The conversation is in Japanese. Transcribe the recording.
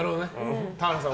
田原さん